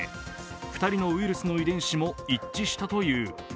２人のウイルスの遺伝子も一致したという。